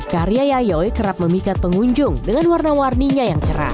karya yayoy kerap memikat pengunjung dengan warna warninya yang cerah